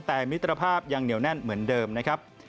แต่มิตรภาพยังเหนียวแน่นเหมือนเดิมนะครับ